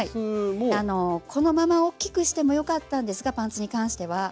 このままおっきくしてもよかったんですがパンツに関しては。